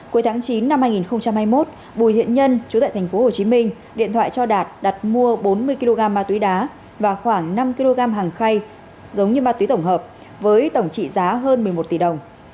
cuối tháng chín năm hai nghìn hai mươi một bùi hiện nhân chủ tại tp hcm điện thoại cho đạt đặt mua bốn mươi kg ma túy đá và khoảng năm kg hàng khay giống như ma túy tổng hợp với tổng trị giá hơn một mươi một tỷ đồng